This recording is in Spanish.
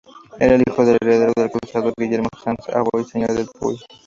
Era el hijo y heredero del cruzado Guillermo Sans-Avoir, señor de Le Puy.